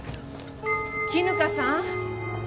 絹香さん？